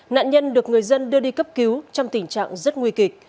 nạn nhân được người dân đưa đi cấp cứu trong tình trạng rất nguy kịch